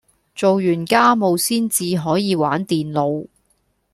做完家務先至可以玩電腦